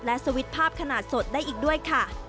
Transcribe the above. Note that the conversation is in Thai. และสวิตช์ภาพขนาดสดได้อีกด้วยค่ะ